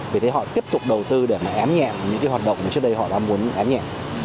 vì thế họ tiếp tục đầu tư để mà ém nhẹ những hoạt động trước đây họ đang muốn ém nhẹ